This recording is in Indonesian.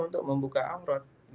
untuk membuka amrod